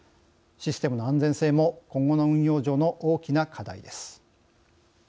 システムの安全性も今後の運用上の大きな課題です。